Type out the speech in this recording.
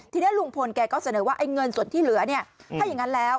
ทีนี้ลุงพลแกก็เสนอว่าไอ้เงินส่วนที่เหลือเนี่ยถ้าอย่างนั้นแล้ว